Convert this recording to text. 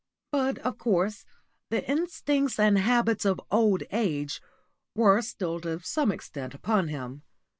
But, of course, the instincts and habits of old age were still to some extent upon him.